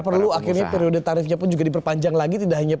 perlu akhirnya periode tarifnya pun juga diperpanjang lagi tidak hanya